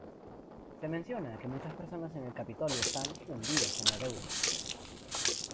Se menciona que muchas personas en el Capitolio están "hundidos en la deuda".